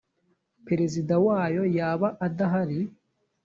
perezida wayo yaba adahari